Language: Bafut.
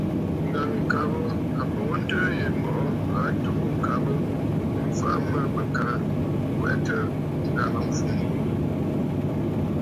Ŋ̀gàŋkabə àbɔ̀ŋəntɨɨ yì mɔ̀ʼɔ à tù'û ŋ̀kabə mfa mə bɨ ka ŋkwɛtə ŋgàŋâfumə ghu.